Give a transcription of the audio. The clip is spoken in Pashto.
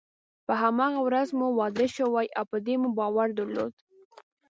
په هماغه ورځ مو واده شوی او په دې مو باور درلود.